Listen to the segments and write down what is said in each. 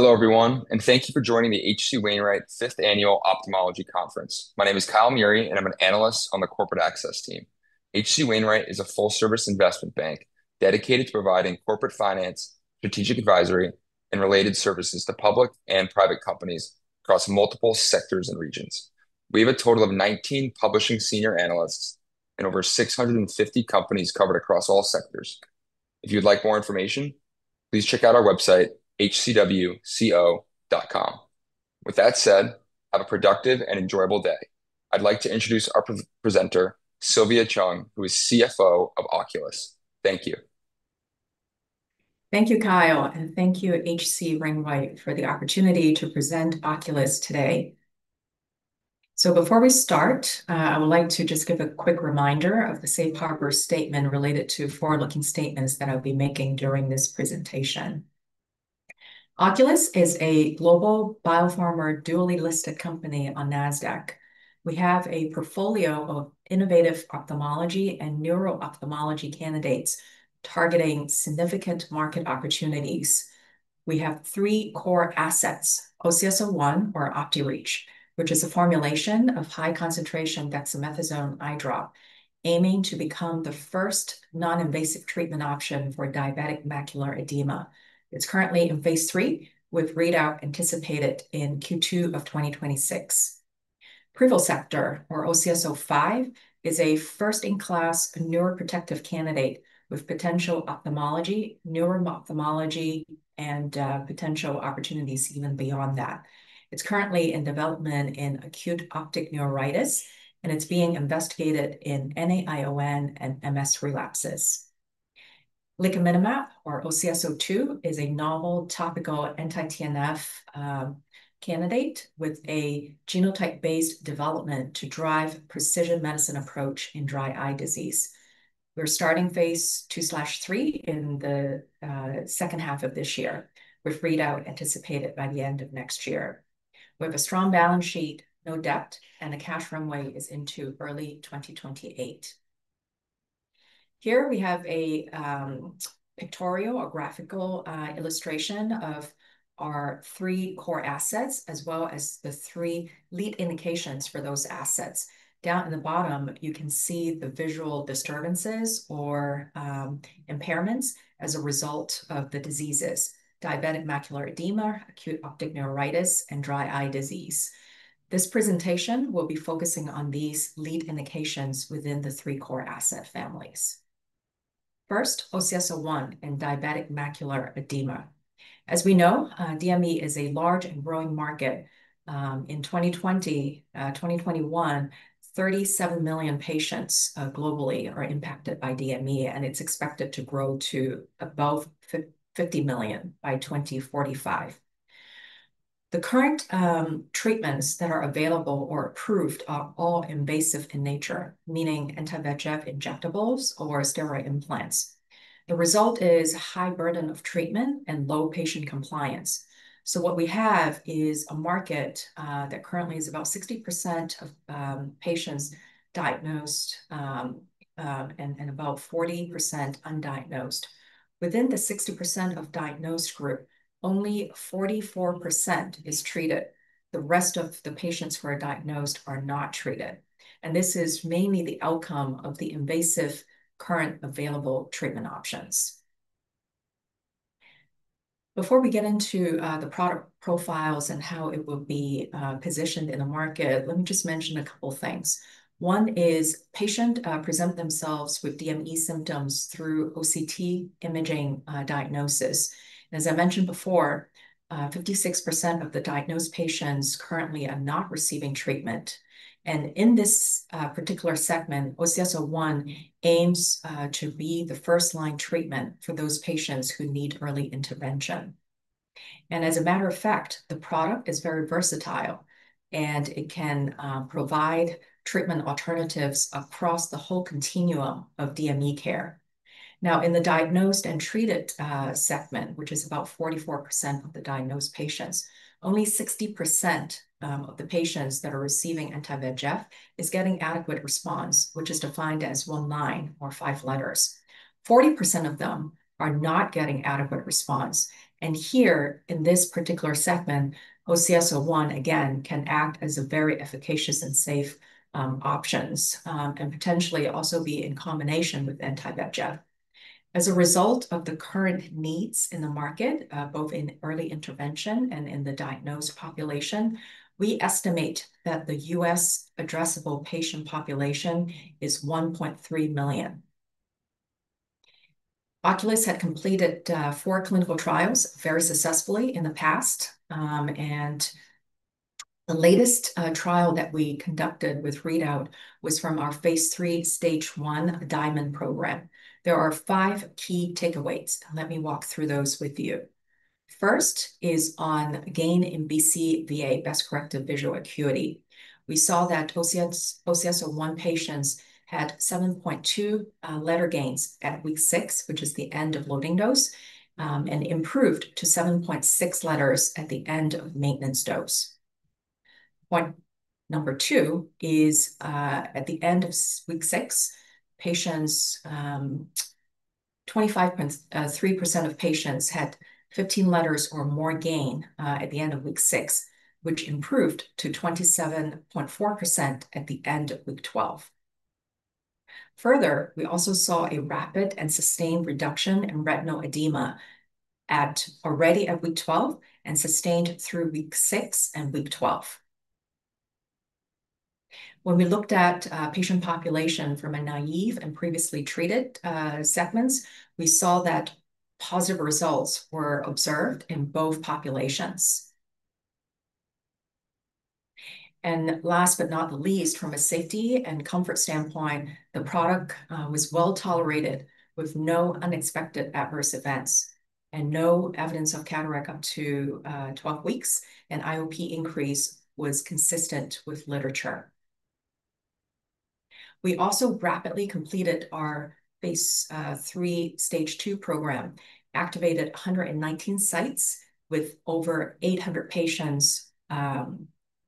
Hello everyone, and thank you for joining the H.C. Wainwright's Fifth Annual Ophthalmology Conference. My name is Kyle Murie, and I'm an analyst on the Corporate Access team. H.C. Wainwright is a full-service investment bank dedicated to providing corporate finance, strategic advisory, and related services to public and private companies across multiple sectors and regions. We have a total of 19 publishing senior analysts and over 650 companies covered across all sectors. If you'd like more information, please check out our website, hcwco.com. With that said, have a productive and enjoyable day. I'd like to introduce our presenter, Sylvia Cheung, who is CFO of Oculis. Thank you. Thank you, Kyle, and thank you, H.C. Wainwright, for the opportunity to present Oculis today. Before we start, I would like to just give a quick reminder of the safe harbor statement related to forward-looking statements that I'll be making during this presentation. Oculis is a global biopharma dually listed company on NASDAQ. We have a portfolio of innovative ophthalmology and neuro-ophthalmology candidates targeting significant market opportunities. We have three core assets: OCS-01, or OPTIREACH, which is a formulation of high-concentration dexamethasone eye drop, aiming to become the first non-invasive treatment option for diabetic macular edema. It's currently in phase III, with readout anticipated in Q2 of 2026. Privosegtor, or OCS-05, is a first-in-class neuroprotective candidate with potential ophthalmology, neuro-ophthalmology, and potential opportunities even beyond that. It's currently in development in acute optic neuritis, and it's being investigated in NAION and MS relapses. Licaminlimab, or OCS-02, is a novel topical anti-TNF candidate with a genotype-based development to drive a precision medicine approach in dry eye disease. We're starting phase II/III in the second half of this year, with readout anticipated by the end of next year. We have a strong balance sheet, no debt, and a cash runway into early 2028. Here we have a pictorial or graphical illustration of our three core assets, as well as the three lead indications for those assets. Down in the bottom, you can see the visual disturbances or impairments as a result of the diseases: diabetic macular edema, acute optic neuritis, and dry eye disease. This presentation will be focusing on these lead indications within the three core asset families. First, OCS-01 and diabetic macular edema. As we know, DME is a large and growing market. In 2020-2021, 37 million patients globally are impacted by DME, and it's expected to grow to above 50 million by 2045. The current treatments that are available or approved are all invasive in nature, meaning anti-VEGF injectables or steroid implants. The result is a high burden of treatment and low patient compliance. What we have is a market that currently has about 60% of patients diagnosed and about 40% undiagnosed. Within the 60% of the diagnosed group, only 44% is treated. The rest of the patients who are diagnosed are not treated. This is mainly the outcome of the invasive current available treatment options. Before we get into the product profiles and how it will be positioned in the market, let me just mention a couple of things. One is patients present themselves with DME symptoms through OCT imaging diagnosis. As I mentioned before, 56% of the diagnosed patients currently are not receiving treatment. In this particular segment, OCS-01 aims to be the first-line treatment for those patients who need early intervention. As a matter of fact, the product is very versatile, and it can provide treatment alternatives across the whole continuum of DME care. In the diagnosed and treated segment, which is about 44% of the diagnosed patients, only 60% of the patients that are receiving anti-VEGF is getting adequate response, which is defined as one line or five letters. 40% of them are not getting adequate response. In this particular segment, OCS-01 again can act as a very efficacious and safe option and potentially also be in combination with anti-VEGF. As a result of the current needs in the market, both in early intervention and in the diagnosed population, we estimate that the U.S. addressable patient population is 1.3 million. Oculis had completed four clinical trials very successfully in the past. The latest trial that we conducted with readout was from our phase III stage 1 of the DIAMOND program. There are five key takeaways. Let me walk through those with you. First is on gain in BCVA, best-corrected visual acuity. We saw that OCS-01 patients had 7.2 letter gains at week 6, which is the end of loading dose, and improved to 7.6 letters at the end of maintenance dose. Point number two is at the end of week 6, 25.3% of patients had 15 letters or more gain at the end of week 6, which improved to 27.4% at the end of week 12. Further, we also saw a rapid and sustained reduction in retinal edema already at week 12 and sustained through week 6 and week 12. When we looked at patient population from a naive and previously treated segments, we saw that positive results were observed in both populations. Last but not the least, from a safety and comfort standpoint, the product was well tolerated with no unexpected adverse events and no evidence of cataract up to 12 weeks. IOP increase was consistent with literature. We also rapidly completed our phase III stage 2 program, activated 119 sites with over 800 patients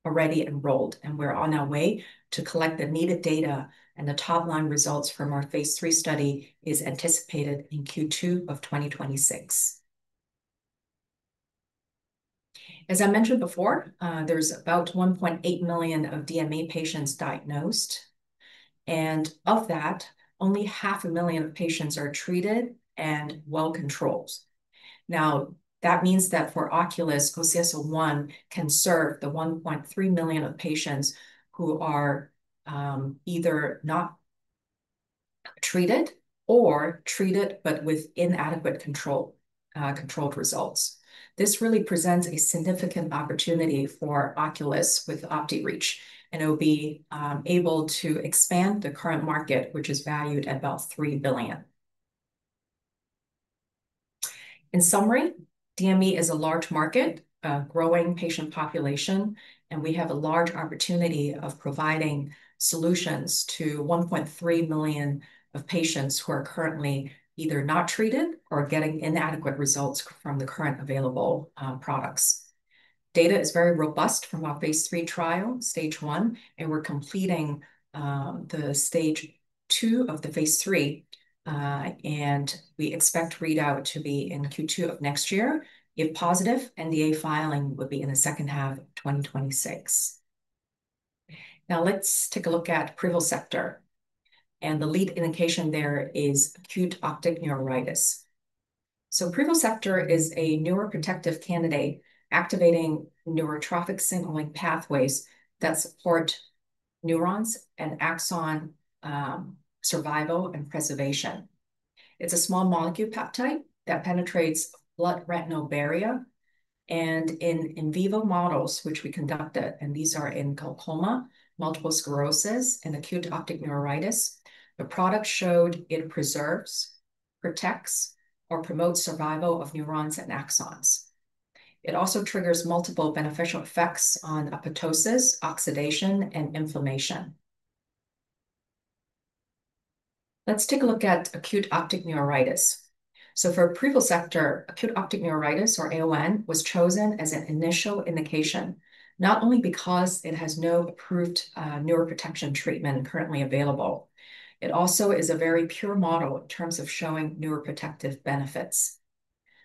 already enrolled. We're on our way to collect the needed data, and the top-line results from our phase III study are anticipated in Q2 of 2026. As I mentioned before, there's about 1.8 million DME patients diagnosed, and of that, only half a million patients are treated and well controlled. That means that for Oculis, OCS-01 can serve the 1.3 million patients who are either not treated or treated but with inadequately controlled results. This really presents a significant opportunity for Oculis with OPTIREACH, and it'll be able to expand the current market, which is valued at about $3 billion. In summary, DME is a large market, a growing patient population, and we have a large opportunity of providing solutions to 1.3 million patients who are currently either not treated or getting inadequate results from the current available products. Data is very robust from our phase III trial stage 1, and we're completing the stage 2 of the phase III, and we expect readout to be in Q2 of next year. If positive, NDA filing would be in the second half of 2026. Let's take a look at Privosegtor, and the lead indication there is acute optic neuritis. Privosegtor is a neuroprotective candidate activating neurotrophic signaling pathways that support neurons and axon survival and preservation. It's a small molecule peptide that penetrates the blood retinal barrier, and in in vivo models, which we conducted, and these are in glaucoma, multiple sclerosis, and acute optic neuritis, the product showed it preserves, protects, or promotes survival of neurons and axons. It also triggers multiple beneficial effects on apoptosis, oxidation, and inflammation. Let's take a look at acute optic neuritis. For Privosegtor, acute optic neuritis, or AON, was chosen as an initial indication, not only because it has no approved neuroprotection treatment currently available. It also is a very pure model in terms of showing neuroprotective benefits.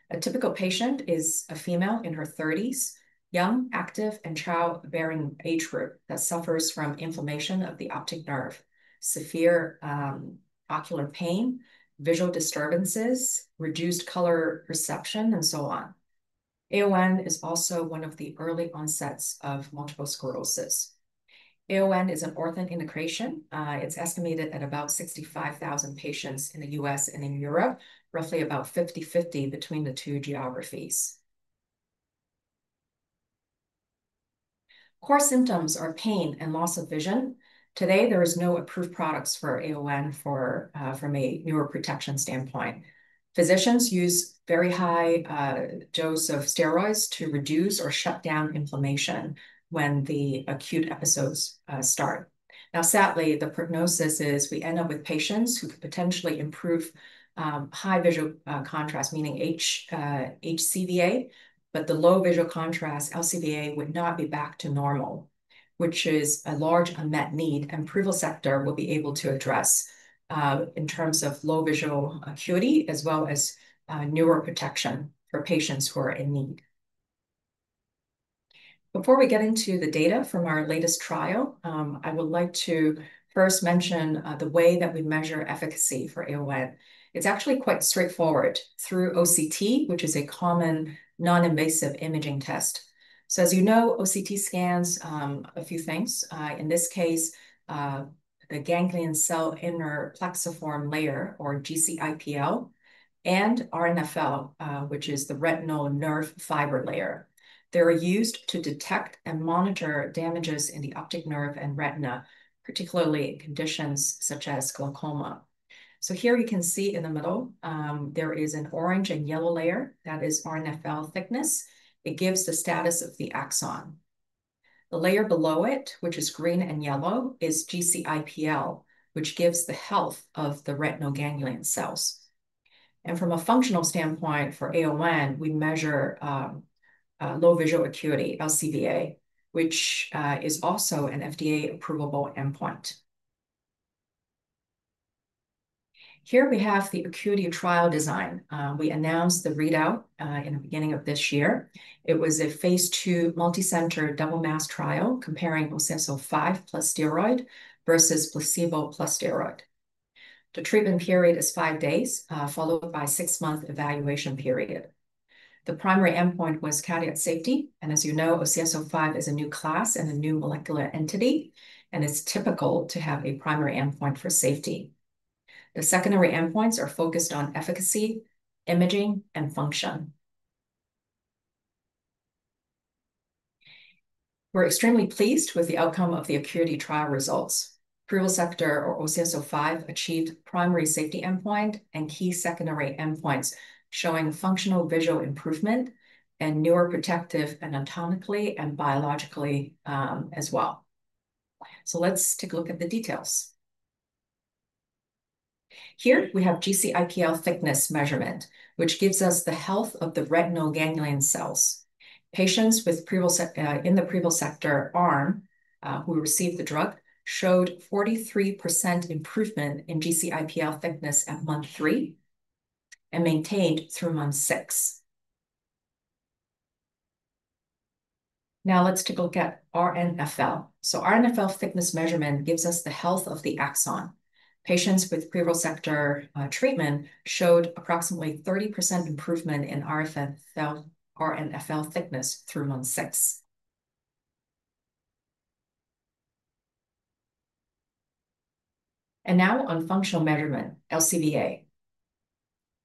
A typical patient is a female in her 30s, young, active, and child-bearing age group that suffers from inflammation of the optic nerve, severe ocular pain, visual disturbances, reduced color perception, and so on. AON is also one of the early onsets of multiple sclerosis. AON is an orphan indication. It's estimated at about 65,000 patients in the U.S. and in Europe, roughly about 50/50 between the two geographies. Core symptoms are pain and loss of vision. Today, there are no approved products for AON from a neuroprotection standpoint. Physicians use a very high dose of steroids to reduce or shut down inflammation when the acute episodes start. Now, sadly, the prognosis is we end up with patients who could potentially improve high visual contrast, meaning HCVA, but the low visual contrast, LCVA, would not be back to normal, which is a large unmet need, and Privosegtor will be able to address in terms of low visual acuity as well as neuroprotection for patients who are in need. Before we get into the data from our latest trial, I would like to first mention the way that we measure efficacy for acute optic neuritis. It's actually quite straightforward through OCT, which is a common non-invasive imaging test. As you know, OCT scans a few things. In this case, the ganglion cell inner plexiform layer, or GCIPL, and RNFL, which is the retinal nerve fiber layer. They're used to detect and monitor damages in the optic nerve and retina, particularly in conditions such as glaucoma. Here you can see in the middle, there is an orange and yellow layer that is RNFL thickness. It gives the status of the axon. The layer below it, which is green and yellow, is GCIPL, which gives the health of the retinal ganglion cells. From a functional standpoint for acute optic neuritis, we measure low visual acuity, LCVA, which is also an FDA-approvable endpoint. Here we have the acuity trial design. We announced the readout in the beginning of this year. It was a phase II multicenter double-masked trial comparing OCS-05 plus steroid versus placebo plus steroid. The treatment period is five days, followed by a six-month evaluation period. The primary endpoint was cataract safety. As you know, OCS-05 is a new class and a new molecular entity, and it's typical to have a primary endpoint for safety. The secondary endpoints are focused on efficacy, imaging, and function. We're extremely pleased with the outcome of the acuity trial results. Privosegtor, or OCS-05, achieved primary safety endpoint and key secondary endpoints, showing functional visual improvement and neuroprotective anatomically and biologically as well. Let's take a look at the details. Here we have GCIPL thickness measurement, which gives us the health of the retinal ganglion cells. Patients in the Privosegtor arm who received the drug showed 43% improvement in GCIPL thickness at month three and maintained through month six. Now let's take a look at RNFL. RNFL thickness measurement gives us the health of the axon. Patients with Privosegtor (OCS-05) treatment showed approximately 30% improvement in RNFL thickness through month six. Now on functional measurement, LCVA.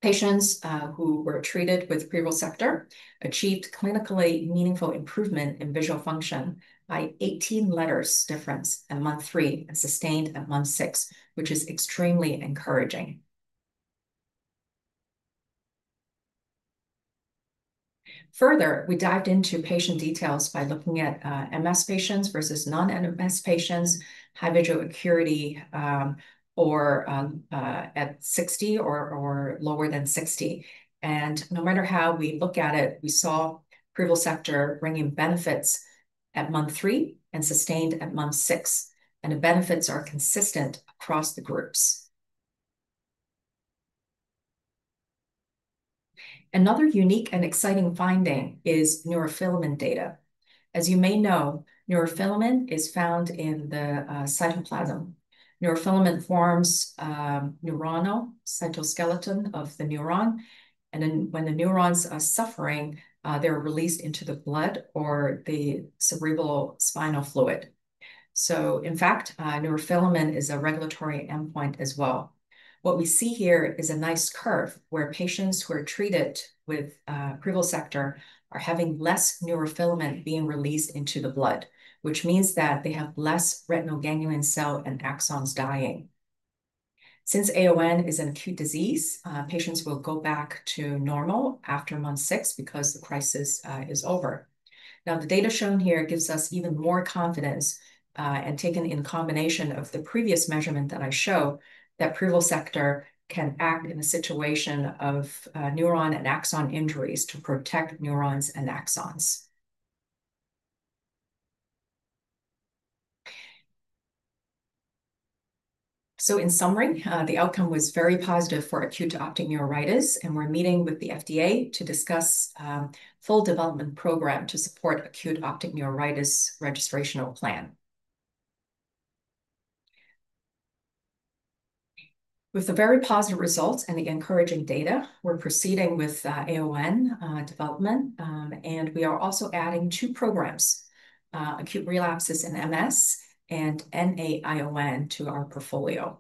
Patients who were treated with Privosegtor achieved clinically meaningful improvement in visual function by 18 letters difference in month three and sustained at month six, which is extremely encouraging. Further, we dived into patient details by looking at MS patients versus non-MS patients, high visual acuity, or at 60 or lower than 60. No matter how we look at it, we saw Privosegtor bring in benefits at month three and sustained at month six, and the benefits are consistent across the groups. Another unique and exciting finding is neurofilament data. As you may know, neurofilament is found in the cytoplasm. Neurofilament forms a neuronal cytoskeleton of the neuron, and then when the neurons are suffering, they're released into the blood or the cerebral spinal fluid. In fact, neurofilament is a regulatory endpoint as well. What we see here is a nice curve where patients who are treated with Privosegtor are having less neurofilament being released into the blood, which means that they have less retinal ganglion cells and axons dying. Since AON is an acute disease, patients will go back to normal after month six because the crisis is over. The data shown here gives us even more confidence, and taken in combination with the previous measurement that I show, that Privosegtor can act in a situation of neuron and axon injuries to protect neurons and axons. In summary, the outcome was very positive for acute optic neuritis, and we're meeting with the FDA to discuss a full development program to support acute optic neuritis registrational plan. With a very positive result and the encouraging data, we're proceeding with AON development, and we are also adding two programs: acute relapses in MS and NAION to our portfolio.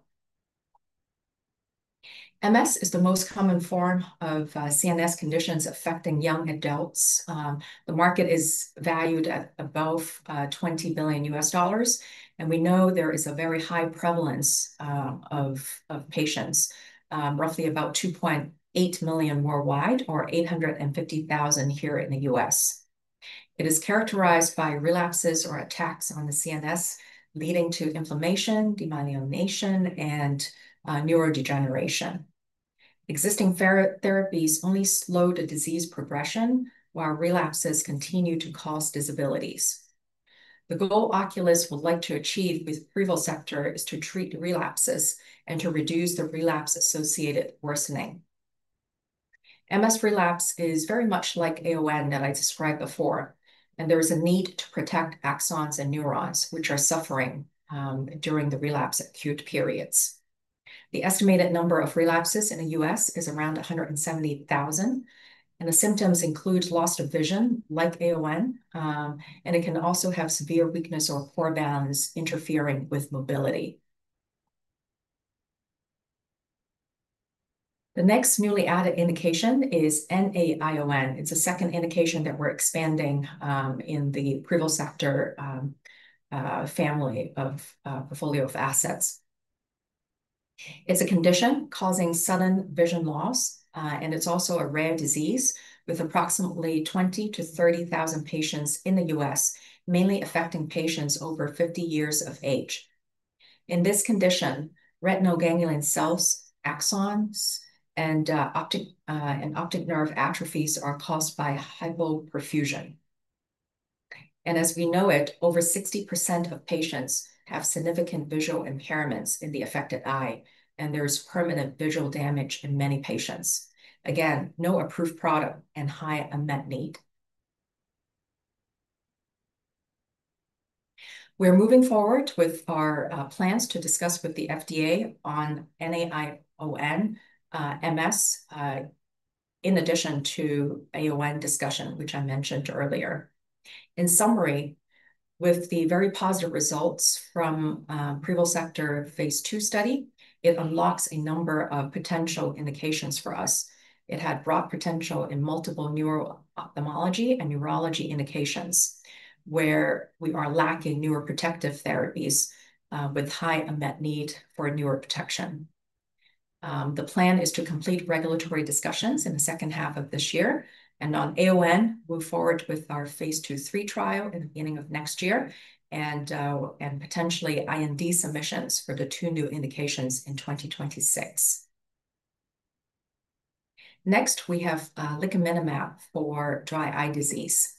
MS is the most common form of CNS conditions affecting young adults. The market is valued at above $20 billion, and we know there is a very high prevalence of patients, roughly about 2.8 million worldwide or 850,000 here in the U.S. It is characterized by relapses or attacks on the CNS, leading to inflammation, demyelination, and neurodegeneration. Existing therapies only slow the disease progression, while relapses continue to cause disabilities. The goal Oculis would like to achieve with Privosegtor is to treat relapses and to reduce the relapse-associated worsening. MS relapse is very much like acute optic neuritis that I described before, and there is a need to protect axons and neurons which are suffering during the relapse acute periods. The estimated number of relapses in the U.S. is around 170,000, and the symptoms include loss of vision, like acute optic neuritis, and it can also have severe weakness or poor balance interfering with mobility. The next newly added indication is non-arteritic anterior ischemic optic neuropathy. It's a second indication that we're expanding in the Privosegtor family of portfolio of assets. It's a condition causing sudden vision loss, and it's also a rare disease with approximately 20,000-30,000 patients in the U.S., mainly affecting patients over 50 years of age. In this condition, retinal ganglion cells, axons, and optic nerve atrophies are caused by hypoperfusion. As we know it, over 60% of patients have significant visual impairments in the affected eye, and there's permanent visual damage in many patients. Again, no approved product and high unmet need. We're moving forward with our plans to discuss with the FDA on NAION, MS in addition to acute optic neuritis discussion, which I mentioned earlier. In summary, with the very positive results from Privosegtor phase II study, it unlocks a number of potential indications for us. It had broad potential in multiple neuro-ophthalmology and neurology indications where we are lacking neuroprotective therapies with high unmet need for neuroprotection. The plan is to complete regulatory discussions in the second half of this year and on AON, move forward with our phase II/III trial in the beginning of next year, and potentially IND submissions for the two new indications in 2026. Next, we have Licaminlimab for dry eye disease.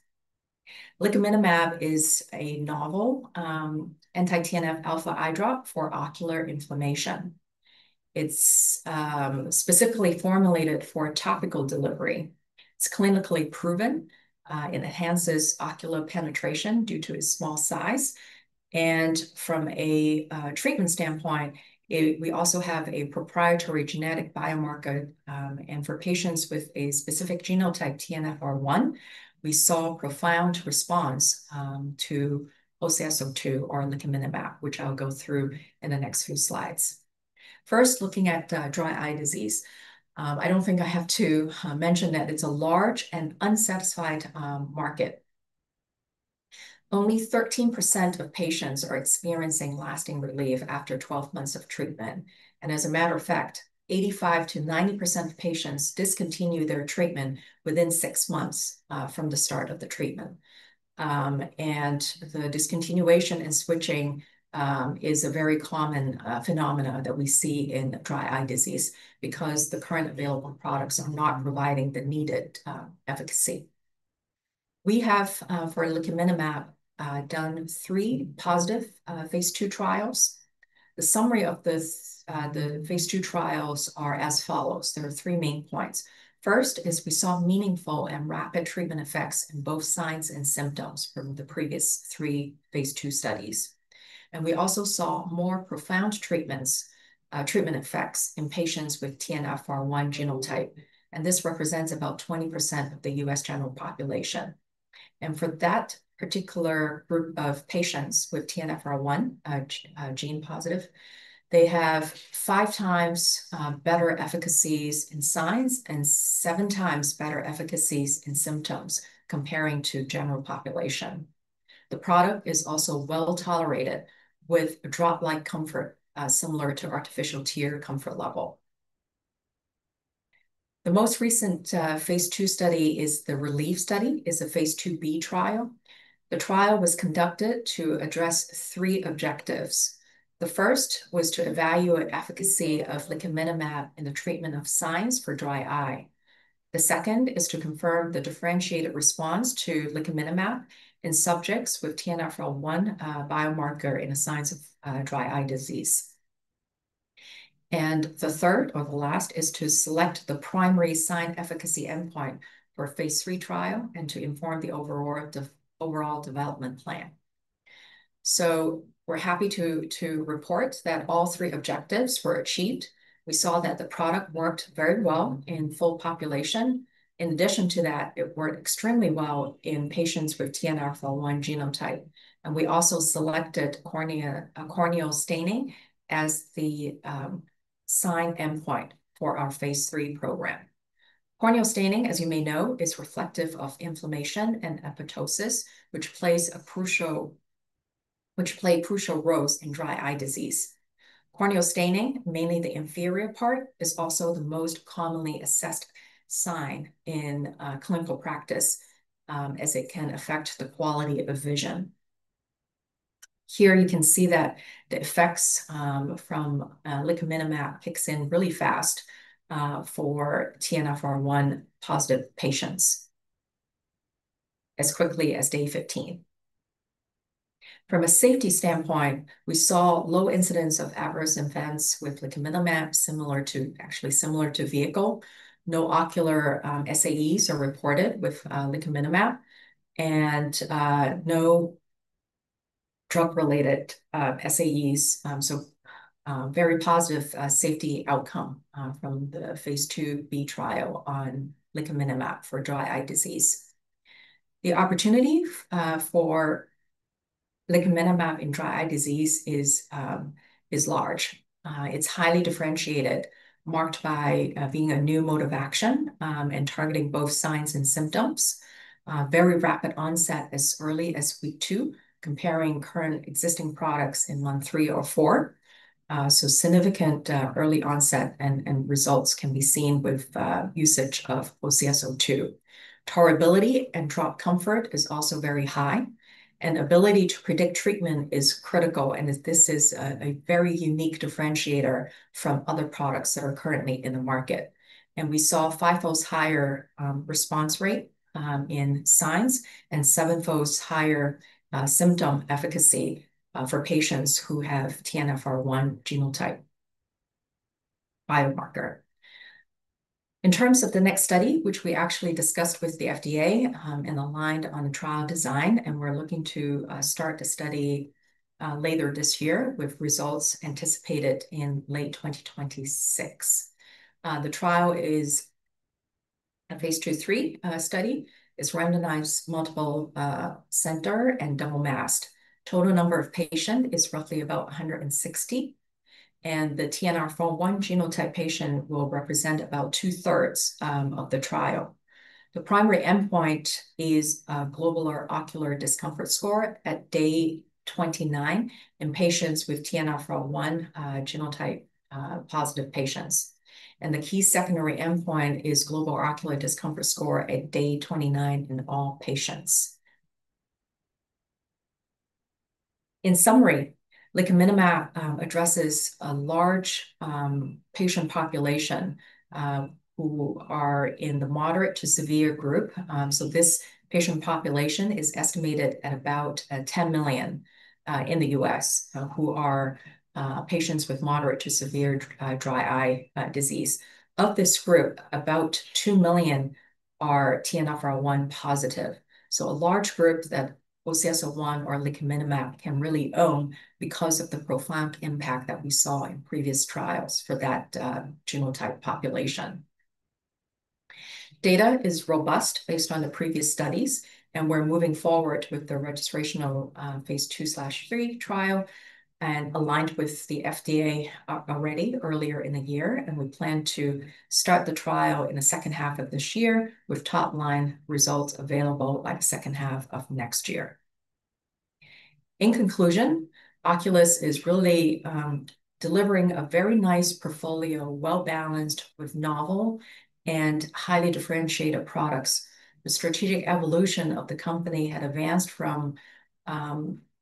Licaminlimab is a novel anti-TNFα eye drop for ocular inflammation. It's specifically formulated for topical delivery. It's clinically proven. It enhances ocular penetration due to its small size. From a treatment standpoint, we also have a proprietary genetic biomarker, and for patients with a specific genotype TNFR1, we saw a profound response to OCS-02 or Licaminlimab, which I'll go through in the next few slides. First, looking at dry eye disease, I don't think I have to mention that it's a large and unsatisfied market. Only 13% of patients are experiencing lasting relief after 12 months of treatment. As a matter of fact, 85%-90% of patients discontinue their treatment within six months from the start of the treatment. The discontinuation and switching is a very common phenomenon that we see in dry eye disease because the current available products are not providing the needed efficacy. We have, for Licaminlimab, done three positive phase II trials. The summary of the phase II trials is as follows. There are three main points. First is we saw meaningful and rapid treatment effects in both signs and symptoms from the previous three phase II studies. We also saw more profound treatment effects in patients with TNFR1 genotype, and this represents about 20% of the U.S. general population. For that particular group of patients with TNFR1 gene positive, they have five times better efficacies in signs and seven times better efficacies in symptoms compared to the general population. The product is also well tolerated with a drop-like comfort similar to artificial tear comfort level. The most recent phase II study is the RELIEF study. It's a phase II-B trial. The trial was conducted to address three objectives. The first was to evaluate the efficacy of Licaminlimab in the treatment of signs for dry eye. The second is to confirm the differentiated response to Licaminlimab in subjects with TNFR1 biomarker in the signs of dry eye disease. The third or the last is to select the primary sign efficacy endpoint for phase III trial and to inform the overall development plan. We're happy to report that all three objectives were achieved. We saw that the product worked very well in full population. In addition to that, it worked extremely well in patients with TNFR1 genotype. We also selected corneal staining as the sign endpoint for our phase III program. Corneal staining, as you may know, is reflective of inflammation and apoptosis, which plays a crucial role in dry eye disease. Corneal staining, mainly the inferior part, is also the most commonly assessed sign in clinical practice as it can affect the quality of vision. Here you can see that the effects from Licaminlimab kick in really fast for TNFR1 positive patients, as quickly as day 15. From a safety standpoint, we saw low incidence of adverse events with Licaminlimab, actually similar to vehicle. No ocular SAEs are reported with Licaminlimab and no drug-related SAEs. Very positive safety outcome from the phase II-B trial on Licaminlimab for dry eye disease. The opportunity for Licaminlimab in dry eye disease is large. It's highly differentiated, marked by being a new mode of action and targeting both signs and symptoms. Very rapid onset as early as week two, comparing current existing products in month three or four. Significant early onset and results can be seen with usage of OCS-02. Tolerability and drop comfort is also very high, and the ability to predict treatment is critical. This is a very unique differentiator from other products that are currently in the market. We saw five-fold higher response rate in signs and seven-fold higher symptom efficacy for patients who have TNFR1 genotype biomarker. In terms of the next study, which we actually discussed with the FDA and aligned on the trial design, we're looking to start the study later this year with results anticipated in late 2026. The trial is a phase II/III study. It's randomized, multiple center, and double masked. Total number of patients is roughly about 160, and the TNFR1 genotype patient will represent about two-thirds of the trial. The primary endpoint is a global ocular discomfort score at day 29 in patients with TNFR1 genotype positive patients. The key secondary endpoint is global ocular discomfort score at day 29 in all patients. In summary, Licaminlimab addresses a large patient population who are in the moderate to severe group. This patient population is estimated at about 10 million in the U.S. who are patients with moderate to severe dry eye disease. Of this group, about 2 million are TNFR1 positive. A large group that Licaminlimab can really own because of the profound impact that we saw in previous trials for that genotype population. Data is robust based on the previous studies, and we're moving forward with the registrational phase II/III trial and aligned with the FDA already earlier in the year. We plan to start the trial in the second half of this year with top-line results available by the second half of next year. In conclusion, Oculis is really delivering a very nice portfolio, well balanced with novel and highly differentiated products. The strategic evolution of the company had advanced from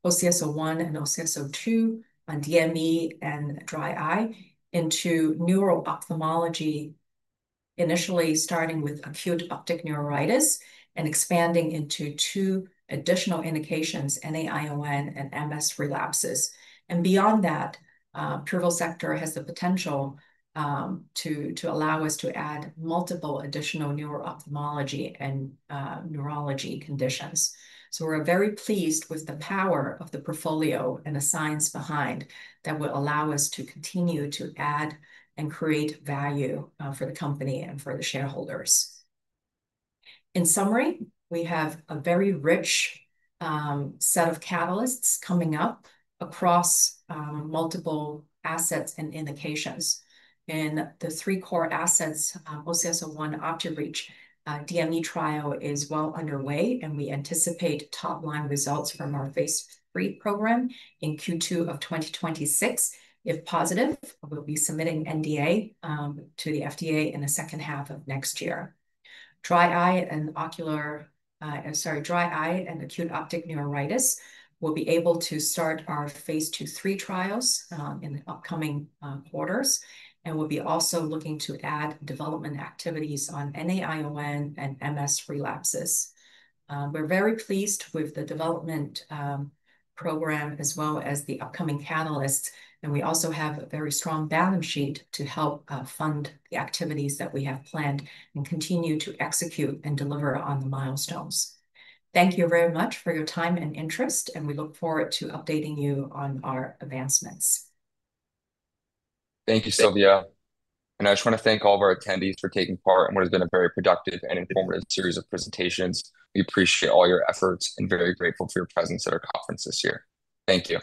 OCS-01 and OCS-02 on DME and dry eye into neuro-ophthalmology, initially starting with acute optic neuritis and expanding into two additional indications, NAION and MS relapses. Privosegtor has the potential to allow us to add multiple additional neuro-ophthalmology and neurology conditions. We're very pleased with the power of the portfolio and the science behind that will allow us to continue to add and create value for the company and for the shareholders. In summary, we have a very rich set of catalysts coming up across multiple assets and indications. In the three core assets, OCS-01, OPTIREACH, the DME trial is well underway, and we anticipate top-line results from our phase III program in Q2 of 2026. If positive, we'll be submitting NDA to the FDA in the second half of next year. Dry eye and acute optic neuritis will be able to start our phase II/III trials in the upcoming quarters, and we'll be also looking to add development activities on NAION and MS relapses. We're very pleased with the development program as well as the upcoming catalysts, and we also have a very strong balance sheet to help fund the activities that we have planned and continue to execute and deliver on the milestones. Thank you very much for your time and interest, and we look forward to updating you on our advancements. Thank you, Sylvia. I just want to thank all of our attendees for taking part in what has been a very productive and informative series of presentations. We appreciate all your efforts and are very grateful for your presence at our conference this year. Thank you.